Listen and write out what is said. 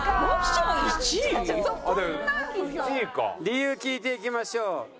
理由聞いていきましょう。